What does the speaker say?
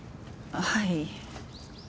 はい。